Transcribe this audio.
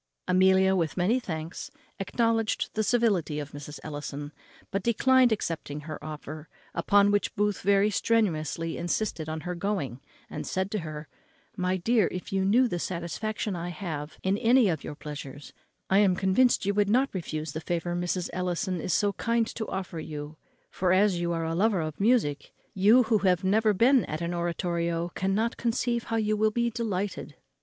Amelia, with many thanks, acknowledged the civility of Mrs. Ellison, but declined accepting her offer; upon which Booth very strenuously insisted on her going, and said to her, "My dear, if you knew the satisfaction I have in any of your pleasures, I am convinced you would not refuse the favour Mrs. Ellison is so kind to offer you; for, as you are a lover of music, you, who have never been at an oratorio, cannot conceive how you will be delighted."